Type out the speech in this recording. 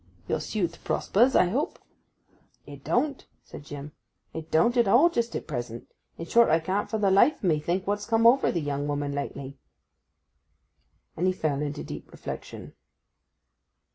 'Your suit prospers, I hope?' 'It don't,' said Jim. 'It don't at all just at present. In short, I can't for the life o' me think what's come over the young woman lately.' And he fell into deep reflection.